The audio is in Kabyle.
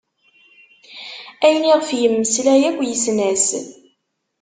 Ayen i ɣef yemmeslay akk, yessen-as.